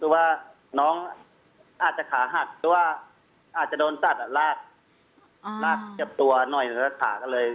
หรือว่าน้องอาจจะขาหักว่าอาจจะโดนตัดอ่ะลากอ่าลากเก็บตัวหน่อยและหาก็เลย